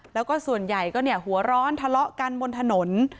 แล้วก็ส่วนใหญ่ก็หัวร้อนทะเลาะกันบนถนน